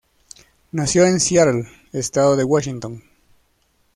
Nació en Seattle, estado de Washington.